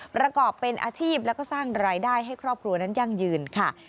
ประกอบเป็นอาชีพแล้วก็สร้างรายได้ให้ครอบครัวนั้นยั่งยืนค่ะ